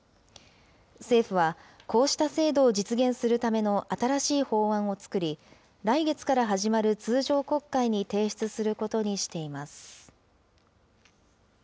政府は、こうした制度を実現するための新しい法案を作り、来月から始まる通常国会に提出することにしています。